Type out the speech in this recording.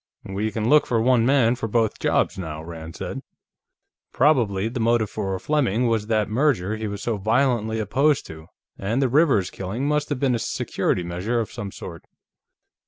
"We can look for one man for both jobs, now," Rand said. "Probably the motive for Fleming was that merger he was so violently opposed to, and the Rivers killing must have been a security measure of some sort.